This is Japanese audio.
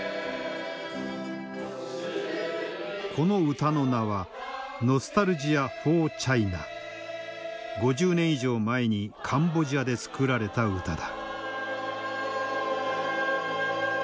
この歌の名は５０年以上前にカンボジアで作られた歌だ。